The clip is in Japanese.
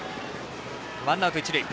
ワンアウト、一塁。